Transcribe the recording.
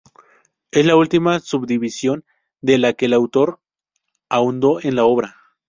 Es la última subdivisión, de la que el autor ahondó en la obra.